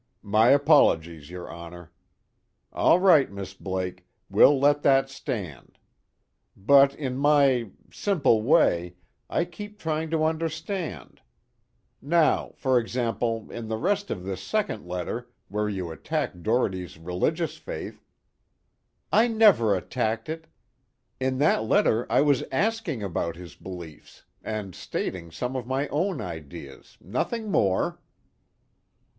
"My apologies, your Honor. All right, Miss Blake, we'll let that stand. But in my simple way, I keep trying to understand. Now for example in the rest of this second letter, where you attack Doherty's religious faith " "I never attacked it! In that letter I was asking about his beliefs, and stating some of my own ideas, nothing more."